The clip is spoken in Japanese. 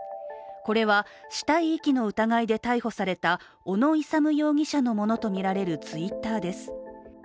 これは死体遺棄の疑いで逮捕された小野勇容疑者のものと見られるＴｗｉｔｔｅｒです。